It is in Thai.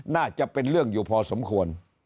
น่าจะเป็นเรื่องอยู่พอสมควร